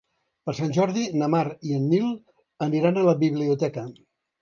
Per Sant Jordi na Mar i en Nil aniran a la biblioteca.